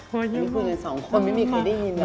ไม่คุยกันสองคนไม่มีใครได้ยินเลย